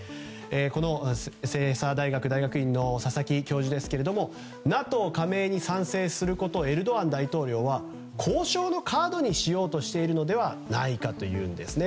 この星槎大学大学院の佐々木教授ですがＮＡＴＯ加盟に賛成することをエルドアン大統領は交渉のカードにしようとしているのではないかというんですね。